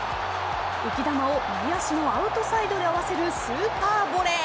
浮き球を右足のアウトサイドで合わせるスーパーボレー。